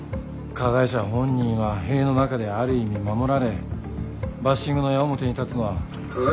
加害者本人は塀の中である意味守られバッシングの矢面に立つのは加害者家族の方だもんね。